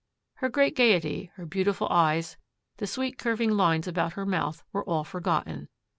Her great gayety, her beautiful eyes, the sweet curving lines about her mouth, were all forgotten.